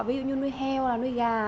ví dụ như nuôi heo nuôi gà